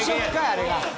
あれが。